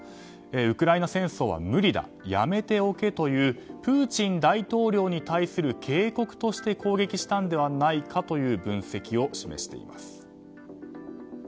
ウクライナ戦争は無理だやめておけというプーチン大統領に対する警告として攻撃したのではないかという分析を示しています。